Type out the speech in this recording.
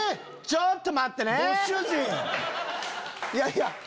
⁉ちょっと待ってね！